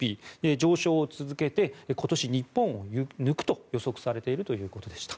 上昇を続けて今年、日本を抜くと予測されているということでした。